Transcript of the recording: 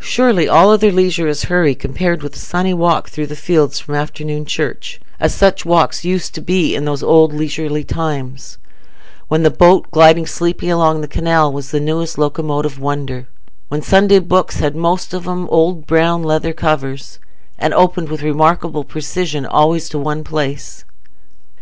Surely all other leisure is hurry compared with a sunny walk through the fields from "afternoon church"—as such walks used to be in those old leisurely times, when the boat, gliding sleepily along the canal, was the newest locomotive wonder; when Sunday books had most of them old brown leather covers, and opened with remarkable precision always in one place.